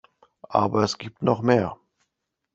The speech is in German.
Aber es gibt noch mehr.